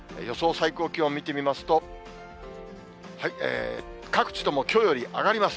最高気温見てみますと、各地ともきょうより上がります。